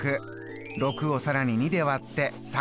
６を更に２で割って３。